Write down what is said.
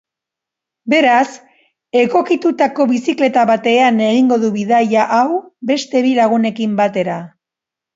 Beraz, egokitutako bizikleta batean egingo du bidaia hau beste bi lagunekin batera.